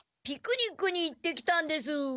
ピクニックに行ってきたんです。